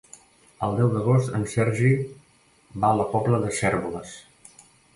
El deu d'agost en Sergi va a la Pobla de Cérvoles.